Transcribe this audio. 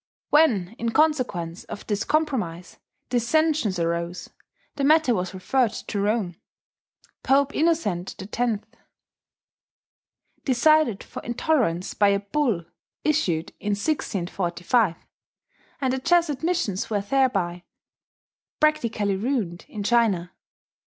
When, in consequence of this compromise, dissensions arose, the matter was referred to Rome. Pope Innocent X decided for intolerance by a bull issued in 1645; and the Jesuit missions were thereby practically ruined in China.